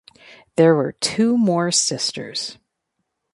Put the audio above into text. There were two more sisters.